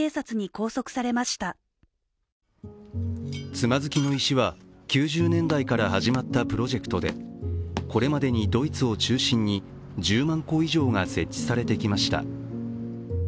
つまずきの石は９０年代から始まったプロジェクトでこれまでにドイツを中心に１０万個以上が設置されてきました。